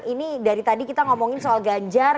ini dari tadi kita ngomongin soal ganjar